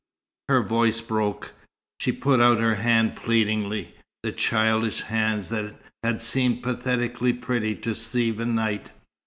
Her voice broke. She put out her hands pleadingly the childish hands that had seemed pathetically pretty to Stephen Knight.